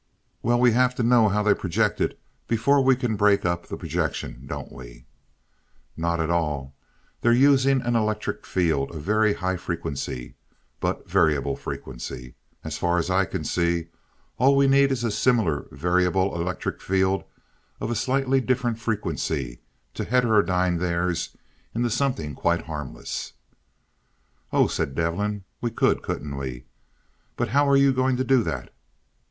"Well, we have to know how they project it before we can break up the projection, don't we?" "Not at all. They're using an electric field of very high frequency, but variable frequency. As far as I can see, all we need is a similar variable electric field of a slightly different frequency to heterodyne theirs into something quite harmless." "Oh," said Devin. "We could, couldn't we? But how are you going to do that?"